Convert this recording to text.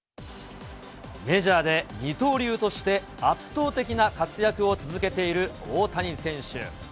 メジャーで二刀流として圧倒的な活躍を続けている大谷選手。